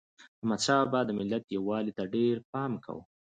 احمدشاه بابا د ملت یووالي ته ډېر پام کاوه.